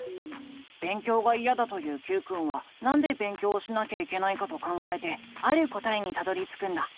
勉強がいやだと言うＱくんはなんで勉強をしなきゃいけないかと考えてある答えにたどりつくんだ。